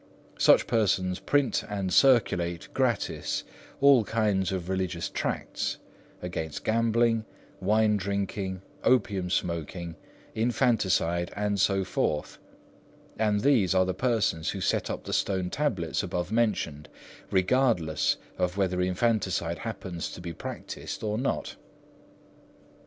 Such persons print and circulate gratis all kinds of religious tracts, against gambling, wine drinking, opium smoking, infanticide, and so forth; and these are the persons who set up the stone tablets above mentioned, regardless whether infanticide happens to be practised or not.